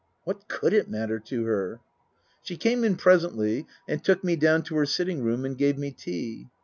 (What could it matter to her ?) She came in presently and took me down to her sitting room, and gave me tea.